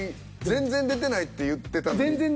全然出てないって言ってたのに。